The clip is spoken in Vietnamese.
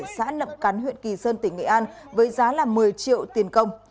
xã nậm cắn huyện kỳ sơn tỉnh nghệ an với giá là một mươi triệu tiền công